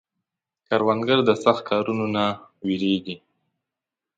کروندګر د سخت کارونو نه نه وېرېږي